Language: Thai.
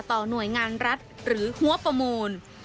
หน่วยงานรัฐหรือหัวประมูล